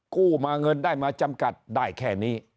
กู้มาเงินได้มาจำกัดได้แค่นี้